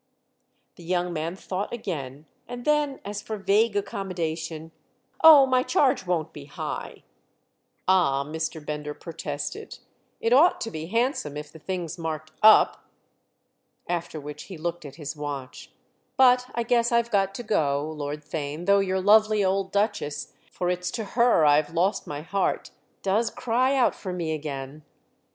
The young man thought again, and then as for vague accommodation: "Oh, my charge won't be high!" "Ah," Mr. Bender protested, "it ought to be handsome if the thing's marked up!" After which he looked at his watch. "But I guess I've got to go, Lord Theign, though your lovely old Duchess—for it's to her I've lost my heart—does cry out for me again."